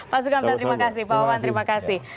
pak sukamta terima kasih pak wawan terima kasih